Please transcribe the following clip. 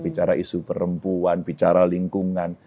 bicara isu perempuan bicara lingkungan